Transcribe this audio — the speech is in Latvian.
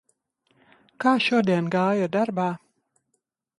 Kā šodien gāja darbā?